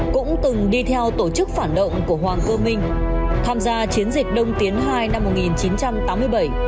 cũng từng đi theo tổ chức phản động của hoàng cơ minh tham gia chiến dịch đông tiến hai năm một nghìn chín trăm tám mươi bảy